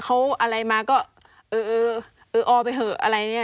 เขาอะไรมาก็เออเอออไปเถอะอะไรอย่างนี้